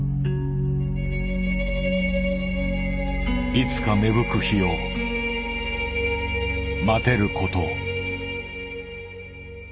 いつか芽吹く日を待てること。